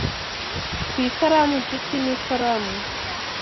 Ku ikaramu nshuti n'ikaramu